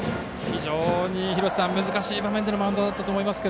非常に廣瀬さん難しい場面でのマウンドだったと思いますが。